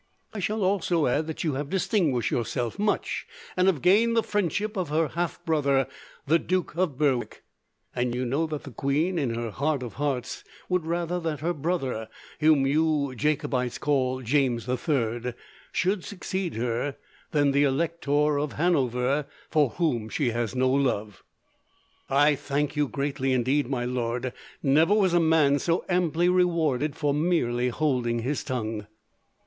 I shall also add that you have distinguished yourself much, and have gained the friendship of her half brother, the Duke of Berwick; and you know that the queen, in her heart of hearts, would rather that her brother, whom you Jacobites call James the Third, should succeed her than the Elector of Hanover, for whom she has no love." "I thank you greatly, indeed, my lord. Never was a man so amply rewarded for merely holding his tongue."